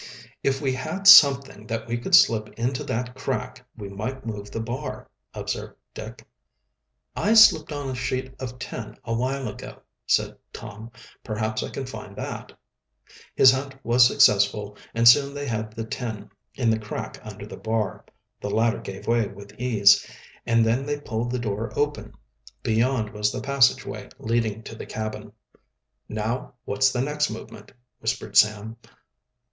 "If we had something that we could slip into that crack, we might move the bar," observed Dick. "I slipped on a sheet of tin a while ago," said Tom. "Perhaps I can find that." His hunt was successful, and soon they had the tin in the crack under the bar. The latter gave way with ease, and then they pulled the door open. Beyond was the passageway leading to the cabin. "Now what's the next movement?" whispered Sam.